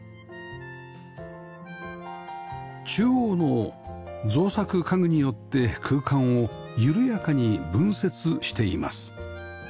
中央の造作家具によって空間を緩やかに分節しています